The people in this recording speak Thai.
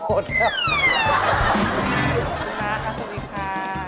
คุณฮาค่ะสวัสดีค่ะ